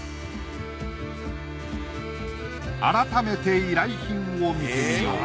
改めて依頼品を見てみよう。